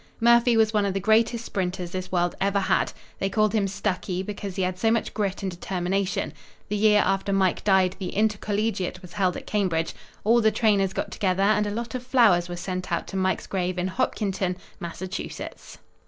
"Murphy was one of the greatest sprinters this world ever had. They called him 'stucky' because he had so much grit and determination. The year after Mike died the Intercollegiate was held at Cambridge. All the trainers got together and a lot of flowers were sent out to Mike's grave in Hopkinton, Massachusetts."